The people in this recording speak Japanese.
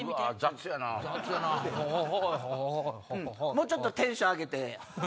もうちょっとテンション上げて。